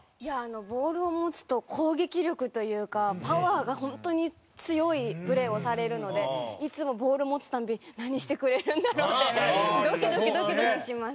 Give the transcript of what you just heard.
ボールを持つと攻撃力というかパワーが本当に強いプレーをされるのでいつもボールを持つたび何してくれるんだろう？ってドキドキドキドキします。